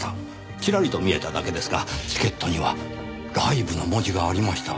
ちらりと見えただけですがチケットには「Ｌｉｖｅ」の文字がありました。